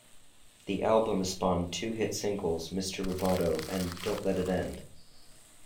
The album spawned two hit singles, "Mr. Roboto" and "Don't Let It End".